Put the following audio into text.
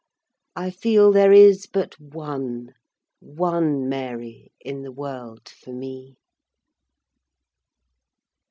I feel there is but one, One Mary in the world for me.